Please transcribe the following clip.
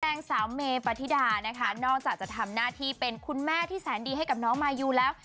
นางสาวเมปฏิดานะคะนอกจากจะทำหน้าที่เป็นคุณแม่ที่แสนดีให้กับน้องมายูแล้ว